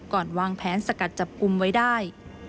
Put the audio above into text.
ก่อนวางแผนสกัดจับกุมไว้ได้